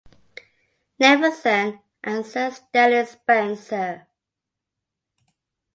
Nevinson and Sir Stanley Spencer.